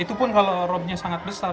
itu pun kalau robnya sangat besar